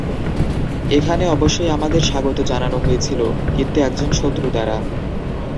এখানে অবশ্যই আমাদের স্বাগত জানানো হয়েছিল, কিন্তু একজন শত্রু দ্বারা।